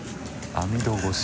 網戸越し。